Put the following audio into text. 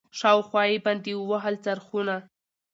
شاوخوا یې باندي ووهل څرخونه